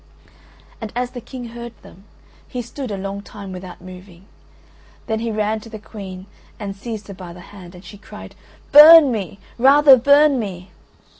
And as the King heard them, he stood a long time without moving; then he ran to the Queen and seized her by the hand, and she cried: "Burn me! rather burn me!"